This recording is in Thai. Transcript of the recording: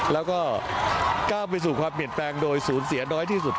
แล้วก็ก้าวไปสู่ความเปลี่ยนแปลงโดยศูนย์เสียน้อยที่สุด